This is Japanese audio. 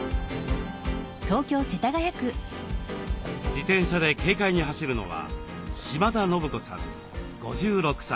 自転車で軽快に走るのは島田信子さん５６歳。